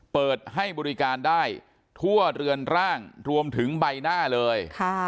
เปิดให้บริการได้ทั่วเรือนร่างรวมถึงใบหน้าเลย